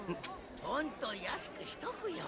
ほんと安くしとくよ。